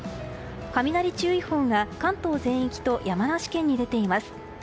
雷注意報が関東全域と山梨県に出ています。